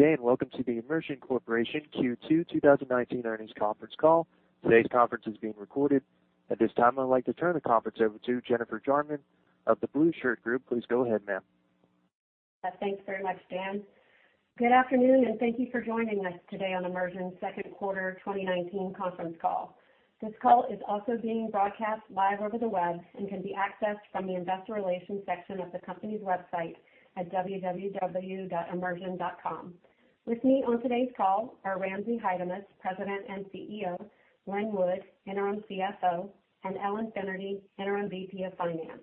Good day, welcome to the Immersion Corporation Q2 2019 earnings conference call. Today's conference is being recorded. At this time, I'd like to turn the conference over to Jennifer Jarman of The Blueshirt Group. Please go ahead, ma'am. Thanks very much, Dan. Good afternoon, and thank you for joining us today on Immersion's second quarter 2019 conference call. This call is also being broadcast live over the web and can be accessed from the investor relations section of the company's website at www.immersion.com. With me on today's call are Ramzi Haidamus, President and CEO, Len Wood, Interim CFO, and Ellen Finnerty, Interim VP of Finance.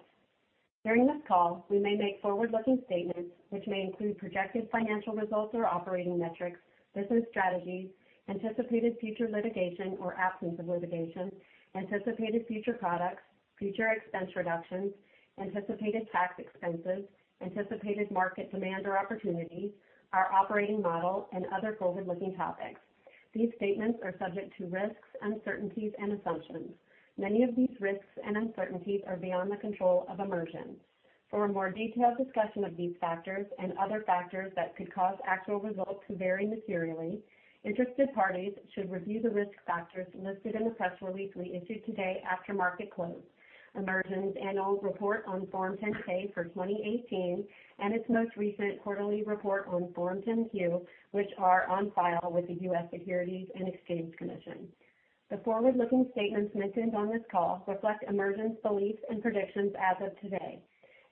During this call, we may make forward-looking statements, which may include projected financial results or operating metrics, business strategies, anticipated future litigation or absence of litigation, anticipated future products, future expense reductions, anticipated tax expenses, anticipated market demand or opportunities, our operating model, and other forward-looking topics. These statements are subject to risks, uncertainties, and assumptions. Many of these risks and uncertainties are beyond the control of Immersion. For a more detailed discussion of these factors and other factors that could cause actual results to vary materially, interested parties should review the risk factors listed in the press release we issue today after market close, Immersion's annual report on Form 10-K for 2018, and its most recent quarterly report on Form 10-Q, which are on file with the U.S. Securities and Exchange Commission. The forward-looking statements mentioned on this call reflect Immersion's beliefs and predictions as of today.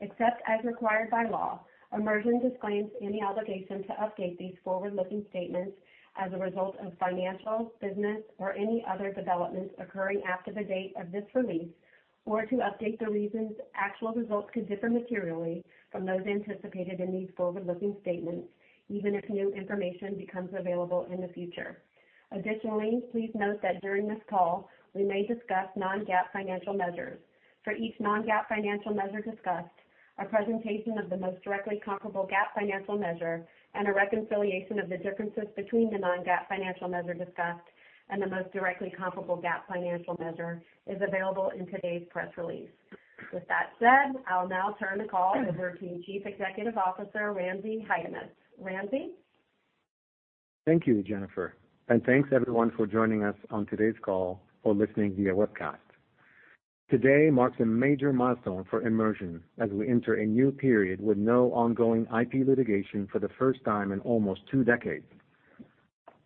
Except as required by law, Immersion disclaims any obligation to update these forward-looking statements as a result of financial, business, or any other developments occurring after the date of this release, or to update the reasons actual results could differ materially from those anticipated in these forward-looking statements, even if new information becomes available in the future. Additionally, please note that during this call, we may discuss non-GAAP financial measures. For each non-GAAP financial measure discussed, a presentation of the most directly comparable GAAP financial measure and a reconciliation of the differences between the non-GAAP financial measure discussed and the most directly comparable GAAP financial measure is available in today's press release. With that said, I'll now turn the call over to Chief Executive Officer, Ramzi Haidamus. Ramzi? Thank you, Jennifer, and thanks everyone for joining us on today's call or listening via webcast. Today marks a major milestone for Immersion as we enter a new period with no ongoing IP litigation for the first time in almost two decades.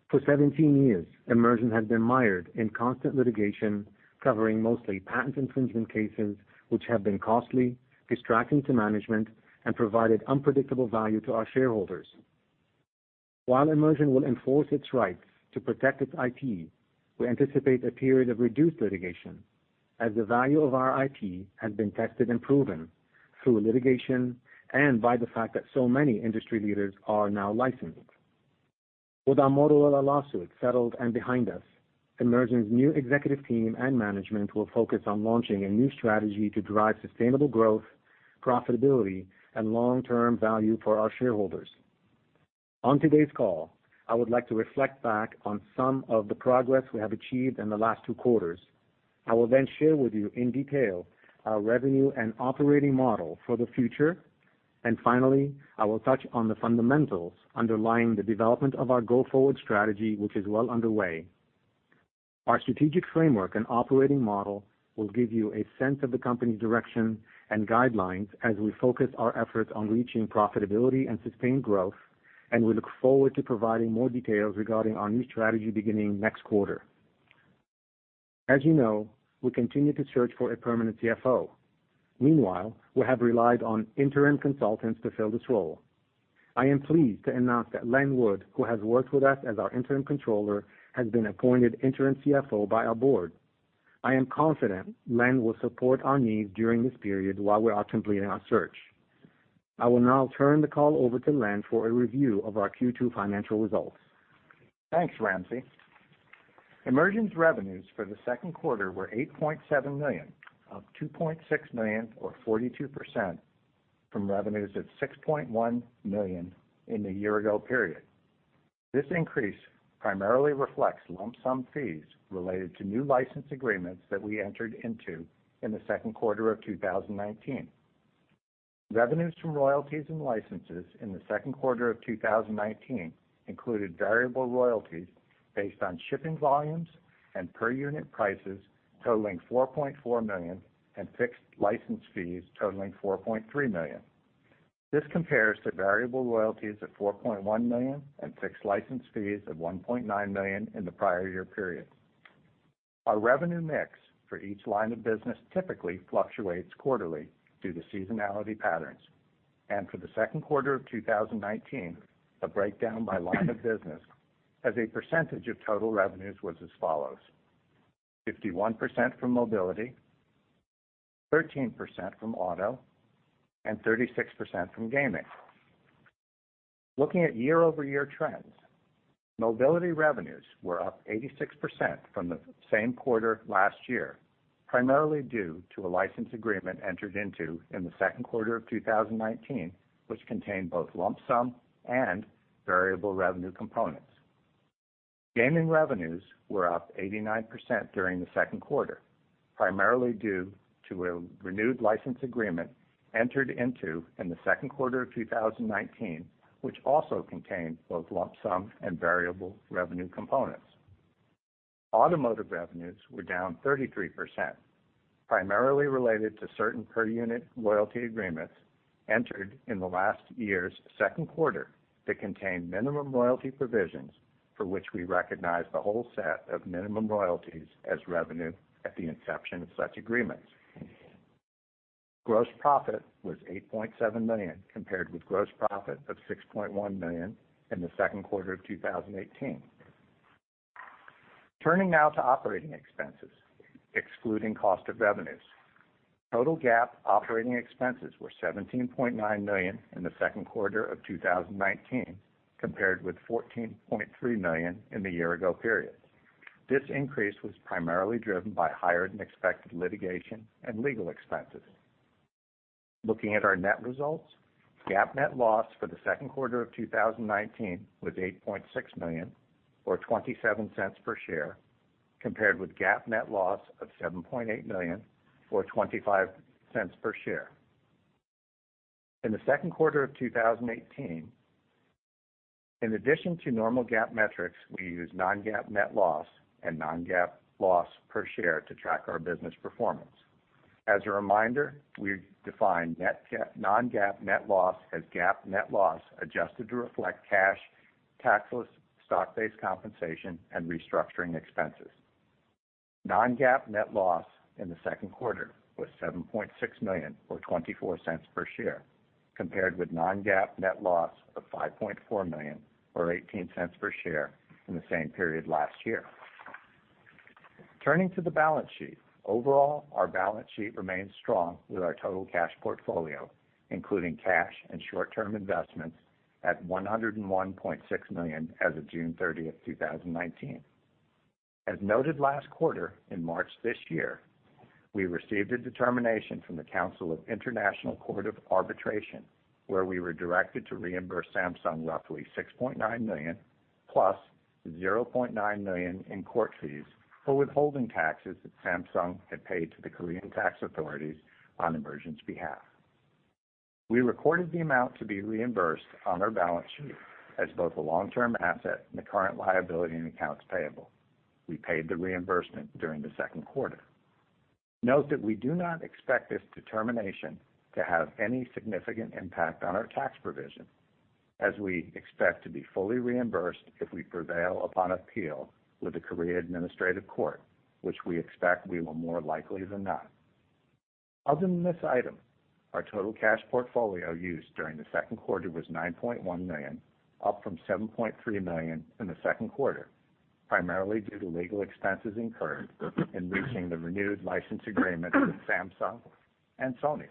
For 17 years, Immersion has been mired in constant litigation, covering mostly patent infringement cases, which have been costly, distracting to management, and provided unpredictable value to our shareholders. While Immersion will enforce its rights to protect its IP, we anticipate a period of reduced litigation as the value of our IP has been tested and proven through litigation and by the fact that so many industry leaders are now licensed. With our Motorola lawsuit settled and behind us, Immersion's new executive team and management will focus on launching a new strategy to drive sustainable growth, profitability, and long-term value for our shareholders. On today's call, I would like to reflect back on some of the progress we have achieved in the last two quarters. I will then share with you in detail our revenue and operating model for the future. Finally, I will touch on the fundamentals underlying the development of our go-forward strategy, which is well underway. Our strategic framework and operating model will give you a sense of the company's direction and guidelines as we focus our efforts on reaching profitability and sustained growth, and we look forward to providing more details regarding our new strategy beginning next quarter. As you know, we continue to search for a permanent CFO. Meanwhile, we have relied on interim consultants to fill this role. I am pleased to announce that Len Wood, who has worked with us as our Interim Controller, has been appointed Interim CFO by our board. I am confident Len will support our needs during this period while we are completing our search. I will now turn the call over to Len for a review of our Q2 financial results. Thanks, Ramzi. Immersion's revenues for the second quarter were $8.7 million, up $2.6 million or 42% from revenues of $6.1 million in the year-ago period. This increase primarily reflects lump sum fees related to new license agreements that we entered into in the second quarter of 2019. Revenues from royalties and licenses in the second quarter of 2019 included variable royalties based on shipping volumes and per unit prices totaling $4.4 million and fixed license fees totaling $4.3 million. This compares to variable royalties of $4.1 million and fixed license fees of $1.9 million in the prior year period. Our revenue mix for each line of business typically fluctuates quarterly due to seasonality patterns. For the second quarter of 2019, the breakdown by line of business as a percentage of total revenues was as follows: 51% from mobility, 13% from auto, and 36% from gaming. Looking at year-over-year trends, mobility revenues were up 86% from the same quarter last year, primarily due to a license agreement entered into in the second quarter of 2019, which contained both lump sum and variable revenue components. Gaming revenues were up 89% during the second quarter, primarily due to a renewed license agreement entered into in the second quarter of 2019, which also contained both lump sum and variable revenue components. Automotive revenues were down 33%, primarily related to certain per-unit royalty agreements entered in the last year's second quarter that contained minimum royalty provisions for which we recognized the whole set of minimum royalties as revenue at the inception of such agreements. Gross profit was $8.7 million, compared with gross profit of $6.1 million in the second quarter of 2018. Turning now to operating expenses, excluding cost of revenues. Total GAAP operating expenses were $17.9 million in the second quarter of 2019, compared with $14.3 million in the year-ago period. This increase was primarily driven by higher-than-expected litigation and legal expenses. Looking at our net results, GAAP net loss for the second quarter of 2019 was $8.6 million, or $0.27 per share, compared with GAAP net loss of $7.8 million, or $0.25 per share. In the second quarter of 2018, in addition to normal GAAP metrics, we use non-GAAP net loss and non-GAAP loss per share to track our business performance. As a reminder, we define non-GAAP net loss as GAAP net loss adjusted to reflect cash, taxless stock-based compensation, and restructuring expenses. Non-GAAP net loss in the second quarter was $7.6 million or $0.24 per share, compared with non-GAAP net loss of $5.4 million or $0.18 per share in the same period last year. Turning to the balance sheet. Overall, our balance sheet remains strong with our total cash portfolio, including cash and short-term investments at $101.6 million as of June 30th, 2019. As noted last quarter, in March this year, we received a determination from the Council of International Court of Arbitration, where we were directed to reimburse Samsung roughly $6.9 million, plus $0.9 million in court fees for withholding taxes that Samsung had paid to the Korean tax authorities on Immersion's behalf. We recorded the amount to be reimbursed on our balance sheet as both a long-term asset and a current liability in accounts payable. We paid the reimbursement during the second quarter. Note that we do not expect this determination to have any significant impact on our tax provision, as we expect to be fully reimbursed if we prevail upon appeal with the Korea Administrative Court, which we expect we will more likely than not. Other than this item, our total cash portfolio used during the second quarter was $9.1 million, up from $7.3 million in the second quarter, primarily due to legal expenses incurred in reaching the renewed license agreements with Samsung and Sony.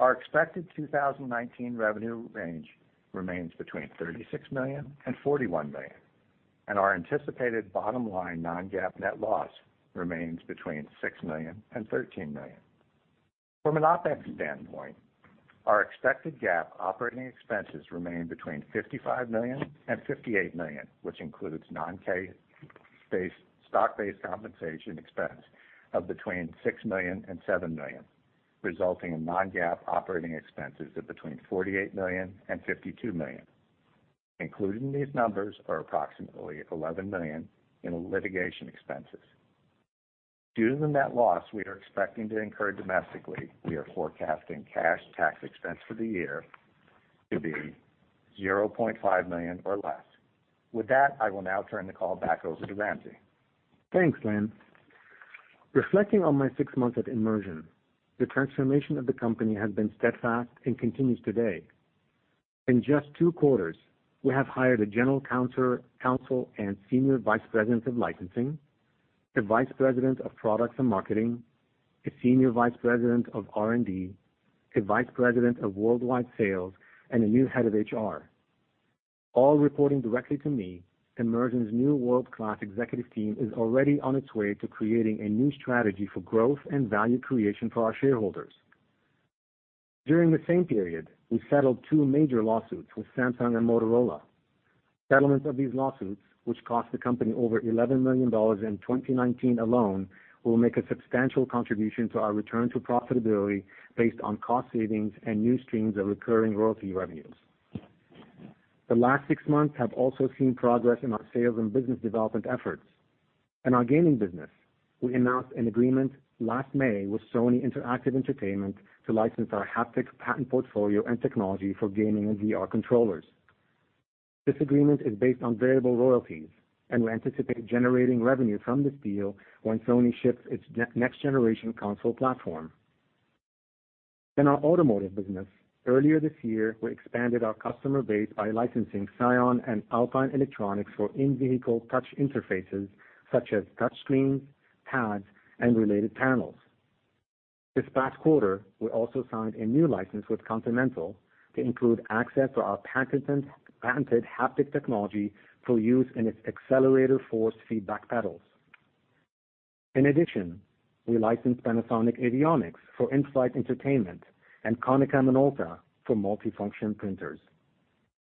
Our expected 2019 revenue range remains between $36 million and $41 million, and our anticipated bottom-line non-GAAP net loss remains between $6 million and $13 million. From an OpEx standpoint, our expected GAAP operating expenses remain between $55 million and $58 million, which includes non-cash stock-based compensation expense of between $6 million and $7 million, resulting in non-GAAP operating expenses of between $48 million and $52 million. Included in these numbers are approximately $11 million in litigation expenses. Due to the net loss we are expecting to incur domestically, we are forecasting cash tax expense for the year to be $0.5 million or less. With that, I will now turn the call back over to Ramzi. Thanks, Len. Reflecting on my six months at Immersion, the transformation of the company has been steadfast and continues today. In just two quarters, we have hired a General Counsel and Senior Vice President of Licensing, a Vice President of Products and Marketing, a Senior Vice President of R&D, a Vice President of Worldwide Sales, and a new Head of HR. All reporting directly to me, Immersion's new world-class executive team is already on its way to creating a new strategy for growth and value creation for our shareholders. During the same period, we settled two major lawsuits with Samsung and Motorola. Settlements of these lawsuits, which cost the company over $11 million in 2019 alone, will make a substantial contribution to our return to profitability based on cost savings and new streams of recurring royalty revenues. The last six months have also seen progress in our sales and business development efforts. In our gaming business, we announced an agreement last May with Sony Interactive Entertainment to license our haptic patent portfolio and technology for gaming and VR controllers. This agreement is based on variable royalties, and we anticipate generating revenue from this deal when Sony ships its next-generation console platform. In our automotive business, earlier this year, we expanded our customer base by licensing Scion and Alpine Electronics for in-vehicle touch interfaces such as touch screens, pads, and related panels. This past quarter, we also signed a new license with Continental to include access to our patented haptic technology for use in its accelerator force feedback pedals. In addition, we licensed Panasonic Avionics for in-flight entertainment and Konica Minolta for multifunction printers.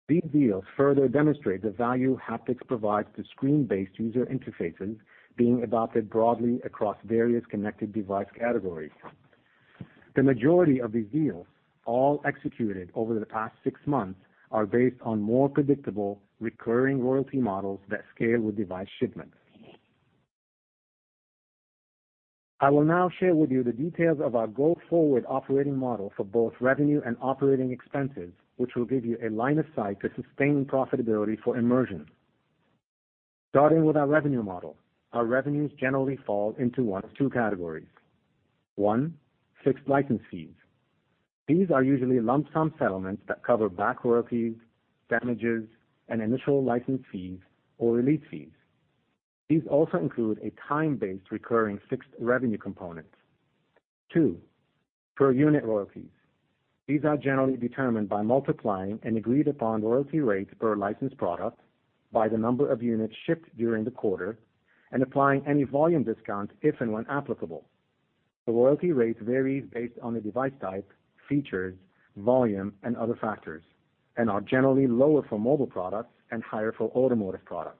These deals further demonstrate the value haptics provides to screen-based user interfaces being adopted broadly across various connected device categories. The majority of these deals, all executed over the past six months, are based on more predictable recurring royalty models that scale with device shipments. I will now share with you the details of our go-forward operating model for both revenue and operating expenses, which will give you a line of sight to sustaining profitability for Immersion. Starting with our revenue model. Our revenues generally fall into one of two categories. One, fixed license fees. These are usually lump sum settlements that cover back royalties, damages, and initial license fees or release fees. These also include a time-based recurring fixed revenue component. Two, per unit royalties. These are generally determined by multiplying an agreed-upon royalty rate per licensed product by the number of units shipped during the quarter and applying any volume discount if and when applicable. The royalty rates vary based on the device type, features, volume, and other factors, and are generally lower for mobile products and higher for automotive products.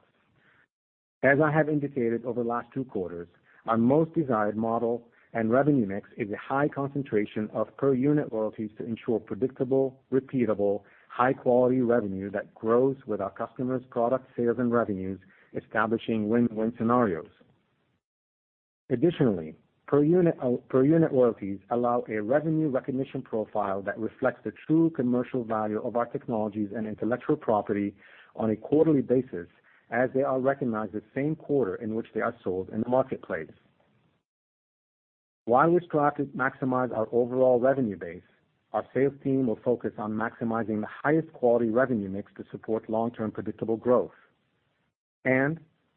As I have indicated over the last two quarters, our most desired model and revenue mix is a high concentration of per unit royalties to ensure predictable, repeatable, high-quality revenue that grows with our customers' product sales and revenues, establishing win-win scenarios. Additionally, per unit royalties allow a revenue recognition profile that reflects the true commercial value of our technologies and intellectual property on a quarterly basis as they are recognized the same quarter in which they are sold in the marketplace. While we strive to maximize our overall revenue base, our sales team will focus on maximizing the highest quality revenue mix to support long-term predictable growth.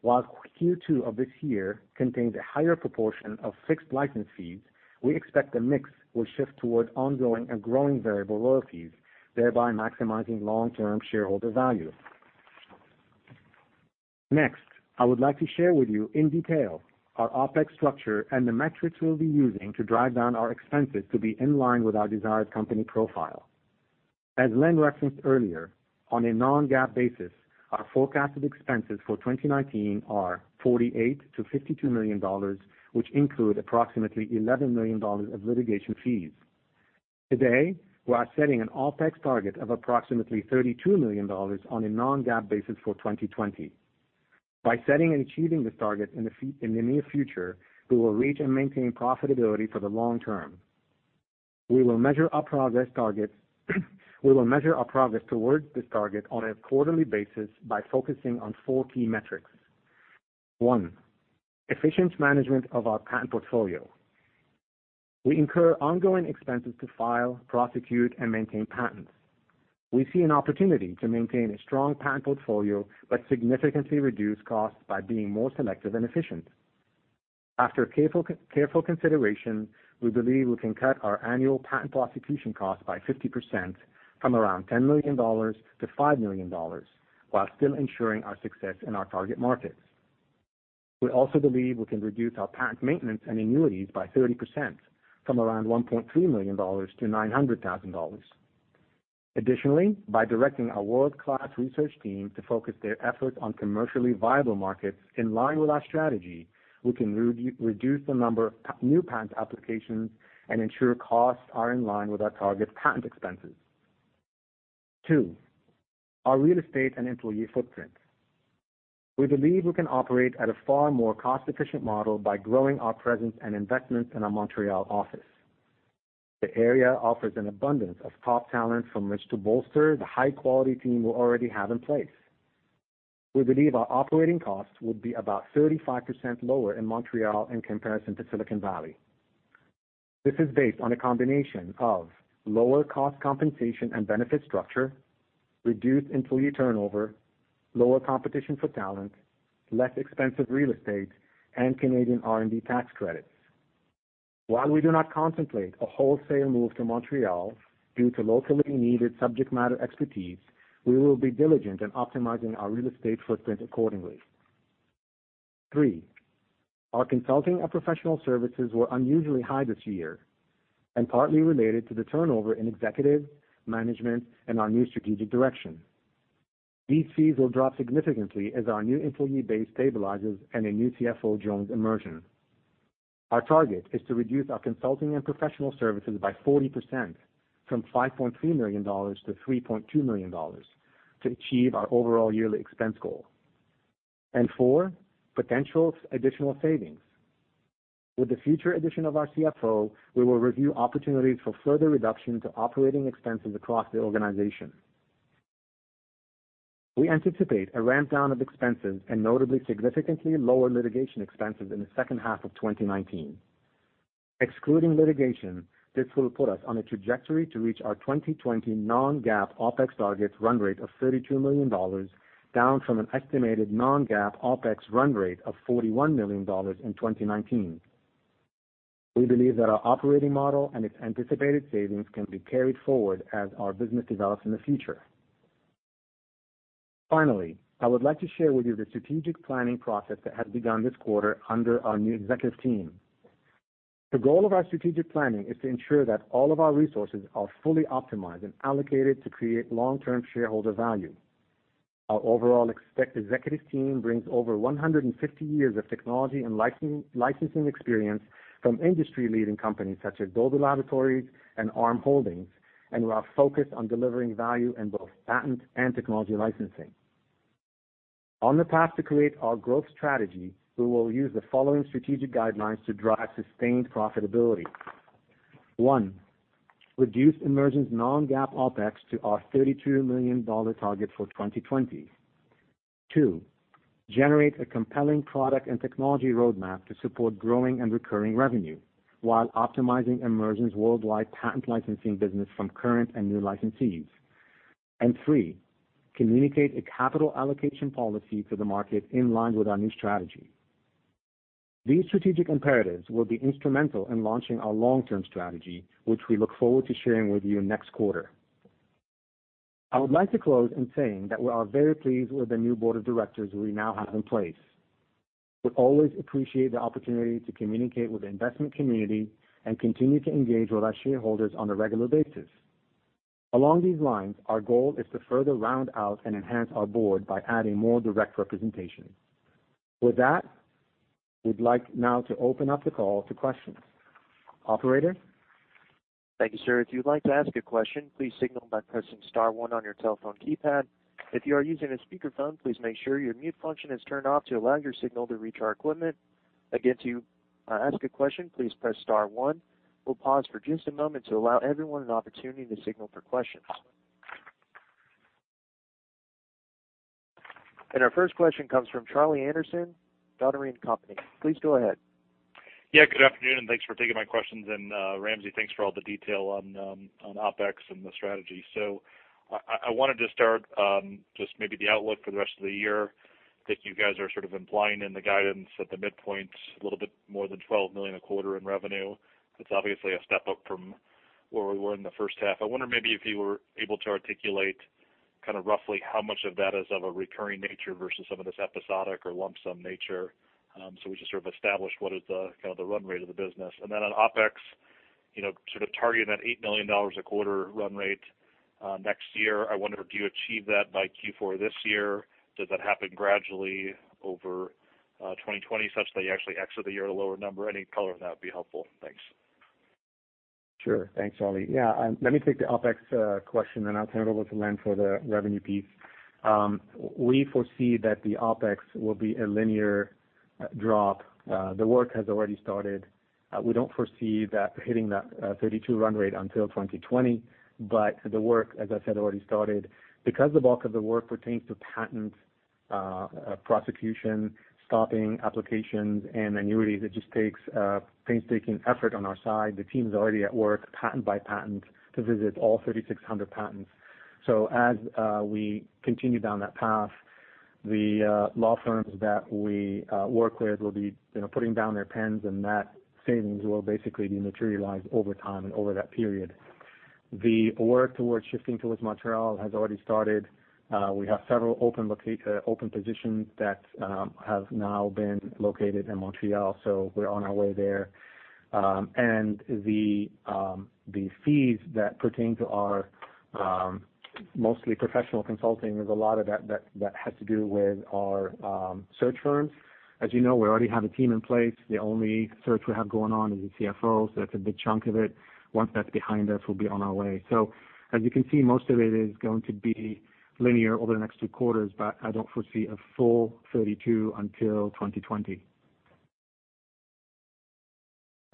While Q2 of this year contained a higher proportion of fixed license fees, we expect the mix will shift towards ongoing and growing variable royalties, thereby maximizing long-term shareholder value. Next, I would like to share with you in detail our OpEx structure and the metrics we'll be using to drive down our expenses to be in line with our desired company profile. As Len referenced earlier, on a non-GAAP basis, our forecasted expenses for 2019 are $48 million-$52 million, which include approximately $11 million of litigation fees. Today, we are setting an OpEx target of approximately $32 million on a non-GAAP basis for 2020. By setting and achieving this target in the near future, we will reach and maintain profitability for the long term. We will measure our progress towards this target on a quarterly basis by focusing on four key metrics. One, efficient management of our patent portfolio. We incur ongoing expenses to file, prosecute, and maintain patents. We see an opportunity to maintain a strong patent portfolio but significantly reduce costs by being more selective and efficient. After careful consideration, we believe we can cut our annual patent prosecution cost by 50%, from around $10 million to $5 million, while still ensuring our success in our target markets. We also believe we can reduce our patent maintenance and annuities by 30%, from around $1.3 million to $900,000. Additionally, by directing our world-class research team to focus their efforts on commercially viable markets in line with our strategy, we can reduce the number of new patent applications and ensure costs are in line with our target patent expenses. Two, our real estate and employee footprint. We believe we can operate at a far more cost-efficient model by growing our presence and investments in our Montreal office. The area offers an abundance of top talent from which to bolster the high-quality team we already have in place. We believe our operating costs would be about 35% lower in Montreal in comparison to Silicon Valley. This is based on a combination of lower cost compensation and benefit structure, reduced employee turnover, lower competition for talent, less expensive real estate, and Canadian R&D tax credits. While we do not contemplate a wholesale move to Montreal due to locally needed subject matter expertise, we will be diligent in optimizing our real estate footprint accordingly. Three, our consulting and professional services were unusually high this year and partly related to the turnover in executive, management, and our new strategic direction. These fees will drop significantly as our new employee base stabilizes and a new CFO joins Immersion. Our target is to reduce our consulting and professional services by 40%, from $5.3 million-$3.2 million, to achieve our overall yearly expense goal. Four, potential additional savings. With the future addition of our CFO, we will review opportunities for further reduction to operating expenses across the organization. We anticipate a ramp down of expenses and notably significantly lower litigation expenses in the second half of 2019. Excluding litigation, this will put us on a trajectory to reach our 2020 non-GAAP OpEx target run rate of $32 million, down from an estimated non-GAAP OpEx run rate of $41 million in 2019. We believe that our operating model and its anticipated savings can be carried forward as our business develops in the future. Finally, I would like to share with you the strategic planning process that has begun this quarter under our new executive team. The goal of our strategic planning is to ensure that all of our resources are fully optimized and allocated to create long-term shareholder value. Our overall executive team brings over 150 years of technology and licensing experience from industry-leading companies such as Dolby Laboratories and Arm Holdings, and we are focused on delivering value in both patent and technology licensing. On the path to create our growth strategy, we will use the following strategic guidelines to drive sustained profitability. One, reduce Immersion's non-GAAP OPEX to our $32 million target for 2020. Two, generate a compelling product and technology roadmap to support growing and recurring revenue while optimizing Immersion's worldwide patent licensing business from current and new licensees. three, communicate a capital allocation policy to the market in line with our new strategy. These strategic imperatives will be instrumental in launching our long-term strategy, which we look forward to sharing with you next quarter. I would like to close in saying that we are very pleased with the new board of directors we now have in place. We always appreciate the opportunity to communicate with the investment community and continue to engage with our shareholders on a regular basis. Along these lines, our goal is to further round out and enhance our board by adding more direct representation. With that, we'd like now to open up the call to questions. Operator? Thank you, sir. If you'd like to ask a question, please signal by pressing star one on your telephone keypad. If you are using a speakerphone, please make sure your mute function is turned off to allow your signal to reach our equipment. Again, to ask a question, please press star one. We'll pause for just a moment to allow everyone an opportunity to signal for questions. Our first question comes from Charlie Anderson, Dougherty & Company. Please go ahead. Yeah, good afternoon, thanks for taking my questions. Ramzi, thanks for all the detail on OpEx and the strategy. I wanted to start just maybe the outlook for the rest of the year. I think you guys are sort of implying in the guidance at the midpoint, a little bit more than $12 million a quarter in revenue. That's obviously a step up from where we were in the first half. I wonder maybe if you were able to articulate roughly how much of that is of a recurring nature versus some of this episodic or lump sum nature. We just sort of establish what is the run rate of the business. On OpEx, sort of targeting that $8 million a quarter run rate next year. I wonder, do you achieve that by Q4 this year? Does that happen gradually over 2020 such that you actually exit the year at a lower number? Any color on that would be helpful. Thanks. Sure. Thanks, Charlie. Yeah, let me take the OpEx question, and I'll turn it over to Len for the revenue piece. We foresee that the OpEx will be a linear drop. The work has already started. We don't foresee that hitting that 32 run rate until 2020. The work, as I said, already started. Because the bulk of the work pertains to patent prosecution, stopping applications and annuities, it just takes painstaking effort on our side. The team's already at work, patent by patent, to visit all 3,600 patents. As we continue down that path, the law firms that we work with will be putting down their pens, and that savings will basically be materialized over time and over that period. The work towards shifting towards Montreal has already started. We have several open positions that have now been located in Montreal, so we're on our way there. The fees that pertain to our mostly professional consulting, there's a lot of that has to do with our search firms. As you know, we already have a team in place. The only search we have going on is the CFO, that's a big chunk of it. Once that's behind us, we'll be on our way. As you can see, most of it is going to be linear over the next two quarters, but I don't foresee a full 32 until 2020.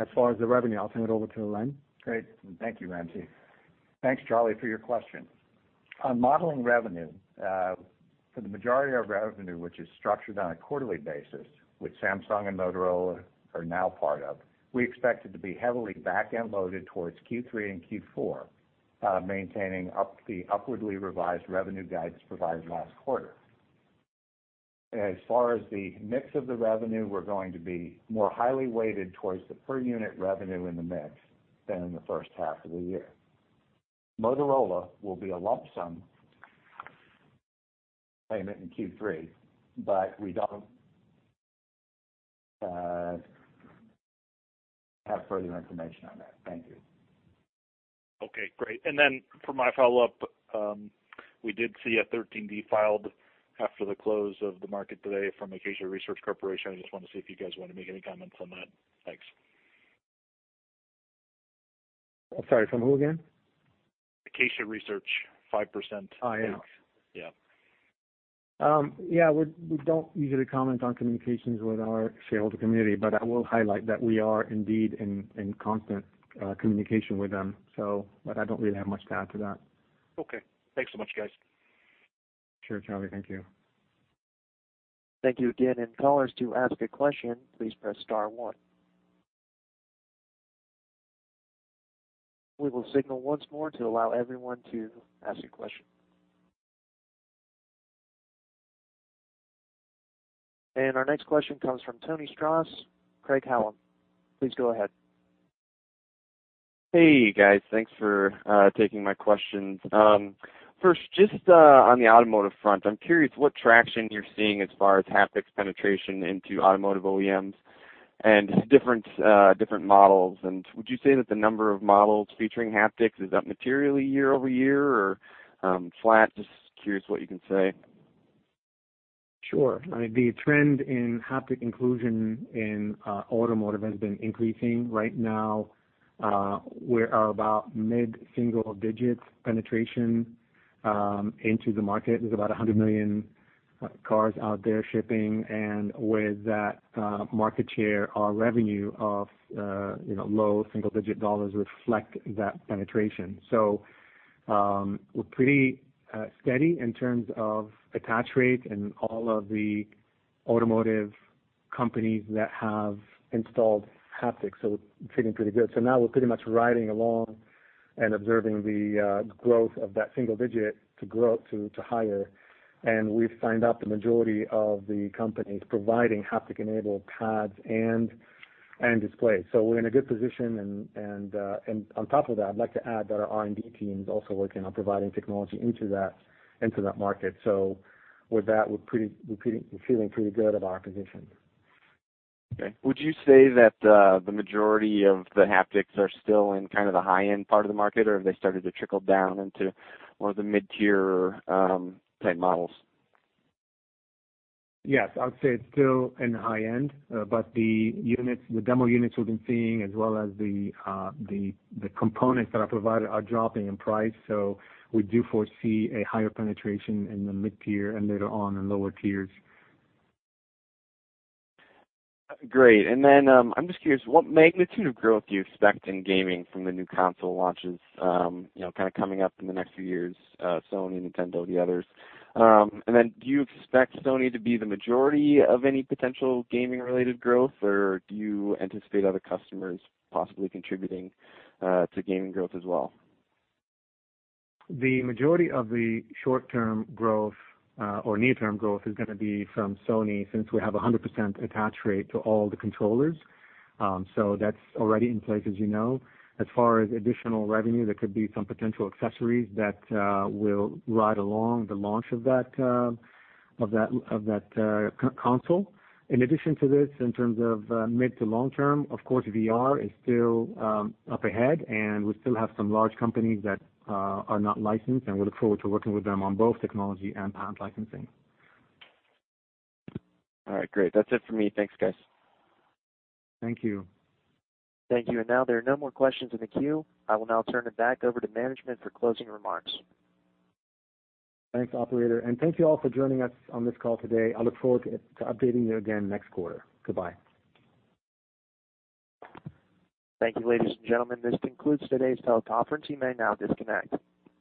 As far as the revenue, I'll turn it over to Len. Great. Thank you, Ramzi. Thanks, Charlie, for your question. On modeling revenue, for the majority of our revenue, which is structured on a quarterly basis, which Samsung and Motorola are now part of, we expect it to be heavily backend loaded towards Q3 and Q4, maintaining the upwardly revised revenue guidance provided last quarter. As far as the mix of the revenue, we're going to be more highly weighted towards the per unit revenue in the mix than in the first half of the year. Motorola will be a lump sum payment in Q3, but we don't have further information on that. Thank you. Okay, great. For my follow-up, we did see a 13D filed after the close of the market today from Acacia Research Corporation. I just wanted to see if you guys want to make any comments on that. Thanks. Sorry, from who again? Acacia Research, 5%- Oh, yes. Yeah. Yeah, we don't usually comment on communications with our shareholder community, I will highlight that we are indeed in constant communication with them. I don't really have much to add to that. Okay. Thanks so much, guys. Sure, Charlie. Thank you. Thank you again. Callers, to ask a question, please press star one. We will signal once more to allow everyone to ask a question. Our next question comes from Tony Stoss, Craig-Hallum. Please go ahead. Hey, guys. Thanks for taking my questions. Just on the automotive front, I'm curious what traction you're seeing as far as haptics penetration into automotive OEMs and different models, and would you say that the number of models featuring haptics is up materially year-over-year or flat? Just curious what you can say. Sure. The trend in haptic inclusion in automotive has been increasing. Right now, we are about mid-single digits penetration into the market. There's about 100 million cars out there shipping, and with that market share, our revenue of low single digit dollars reflect that penetration. We're pretty steady in terms of attach rate and all of the automotive companies that have installed haptics, so it's feeling pretty good. Now we're pretty much riding along and observing the growth of that single digit to higher, and we've signed up the majority of the companies providing haptic-enabled pads and displays. We're in a good position and, on top of that, I'd like to add that our R&D team's also working on providing technology into that market. With that, we're feeling pretty good of our position. Okay. Would you say that the majority of the haptics are still in the high-end part of the market, or have they started to trickle down into more of the mid-tier type models? Yes, I would say it's still in the high end. The demo units we've been seeing as well as the components that are provided are dropping in price. We do foresee a higher penetration in the mid-tier and later on in lower tiers. Great. I'm just curious, what magnitude of growth do you expect in gaming from the new console launches coming up in the next few years, Sony, Nintendo, the others? Do you expect Sony to be the majority of any potential gaming-related growth, or do you anticipate other customers possibly contributing to gaming growth as well? The majority of the short-term growth or near-term growth is going to be from Sony, since we have 100% attach rate to all the controllers. That's already in place, as you know. As far as additional revenue, there could be some potential accessories that will ride along the launch of that console. In addition to this, in terms of mid to long-term, of course, VR is still up ahead, and we still have some large companies that are not licensed, and we look forward to working with them on both technology and patent licensing. All right, great. That's it for me. Thanks, guys. Thank you. Thank you. Now there are no more questions in the queue. I will now turn it back over to management for closing remarks. Thanks, operator. Thank you all for joining us on this call today. I look forward to updating you again next quarter. Goodbye. Thank you, ladies and gentlemen. This concludes today's teleconference. You may now disconnect.